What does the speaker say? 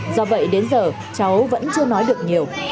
do vậy đến giờ cháu vẫn chưa nói được nhiều